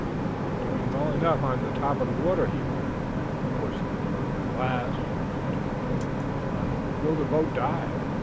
"We're doing well enough on top of the water," he muttered, hoarsely, at last, to the builder. "But will the boat dive?